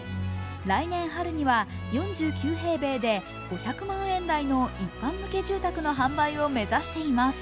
来年春には４９平米で５００万円台の一般向け住宅の販売を目指しています。